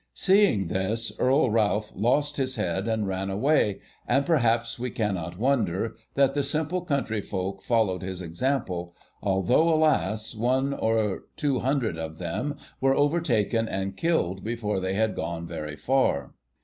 Seeing this, Earl Ralph lost his head, and ran away, and perhaps we cannot wonder that the simple country folk followed his example, although, alas! one or two hundred of them were overtaken and killed before they had gone very far.